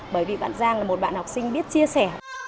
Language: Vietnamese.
bởi vì bạn giang là một bạn học sinh biết chia sẻ